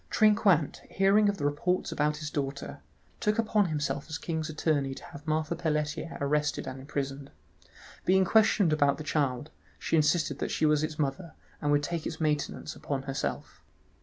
Trinquant hearing of the reports about his daughter, took upon himself as king's attorney to have Marthe Pelletier arrested and imprisoned. Being questioned about the child, she insisted that she was its mother, and would take its maintenance upon herself.